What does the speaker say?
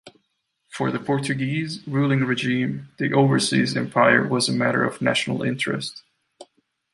For the Portuguese ruling regime, the overseas empire was a matter of national interest.